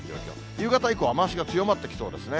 夕方以降は雨足が強まってきそうですね。